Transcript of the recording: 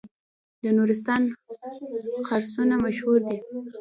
د نورستان خرسونه مشهور دي